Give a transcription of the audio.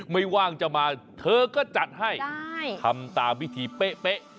ไม่ว่างจะมาเธอก็จัดให้ทำตามวิธีเชี่ยง